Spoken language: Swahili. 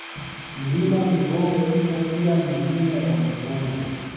Mlima Migombe ipo pia Milima ya Milungu